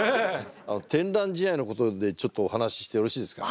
天覧試合のことでちょっとお話ししてよろしいですか？